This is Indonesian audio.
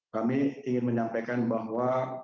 kami ingin menyampaikan bahwa